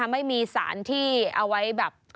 ไม่มีสารที่เอาไว้แบบ